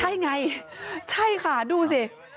ใช่ไงใช่ค่ะดูสิ